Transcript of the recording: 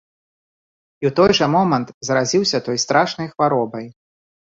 І ў той жа момант заразіўся той страшнай хваробай.